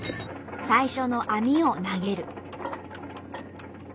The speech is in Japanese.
最初の網を投げる。